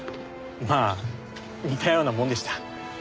まあ似たようなもんでした。